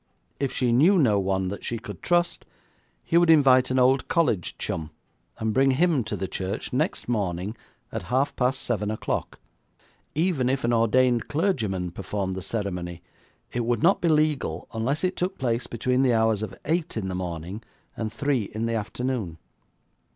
If she knew no one that she could trust, he would invite an old college chum, and bring him to the church next morning at half past seven o'clock. Even if an ordained clergyman performed the ceremony, it would not be legal unless it took place between the hours of eight in the morning, and three in the afternoon.